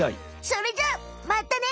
それじゃあまたね。